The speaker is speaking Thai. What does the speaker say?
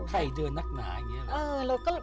ใครเดินนักหนาอย่างนี้เหรอ